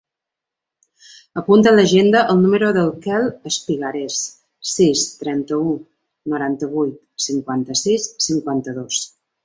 Apunta a l'agenda el número del Quel Espigares: sis, trenta-u, noranta-vuit, cinquanta-sis, cinquanta-dos.